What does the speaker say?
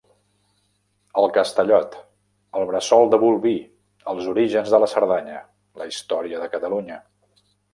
El Castellot; el bressol de Bolvir, els orígens de la Cerdanya, la història de Catalunya.